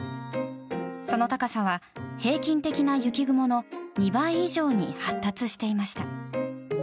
その高さは平均的な雪雲の２倍以上に発達していました。